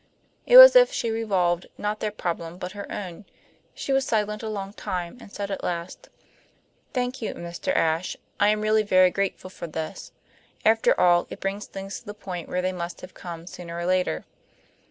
It was as if she revolved, not their problem, but her own. She was silent a long time, and said at last: "Thank you, Mr. Ashe, I am really very grateful for this. After all, it brings things to the point where they must have come sooner or later."